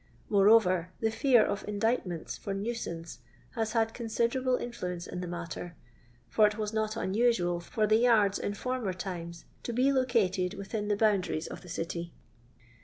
Moreover, the fear of indictments for nuisance has had considerable influence in the matter, for it was not unusual for the yards in former times, to be located within the boundaries of the city.